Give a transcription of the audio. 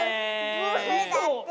ブーだって。